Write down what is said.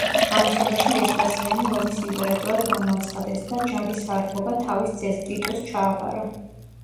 ამასობაში ვესპასიანე რომის იმპერატორად გამოაცხადეს და ჯარის სარდლობა თავის ძეს ტიტუსს ჩააბარა.